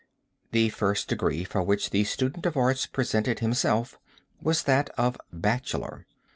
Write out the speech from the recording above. "The first degree for which the student of arts presented himself was that of bachelor.